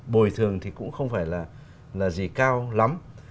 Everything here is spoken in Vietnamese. bồi thường thì cũng không phải là gì cao lắm